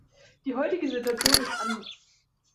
Die heutige Situation ist anders.